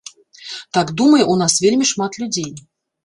Так думае ў нас вельмі шмат людзей.